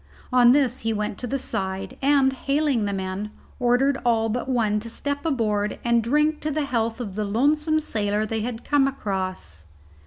On this he went to the side, and, hailing the men, ordered all but one to step aboard and drink to the health of the lonesome sailor they had come across.